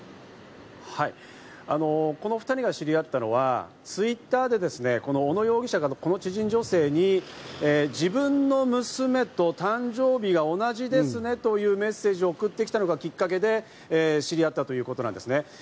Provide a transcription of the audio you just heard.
この２人が知り合ったのはＴｗｉｔｔｅｒで小野容疑者がこの知人女性に自分の娘と誕生日が同じですねというメッセージを送ってきたのがきっかけで知り合ったということなんですね。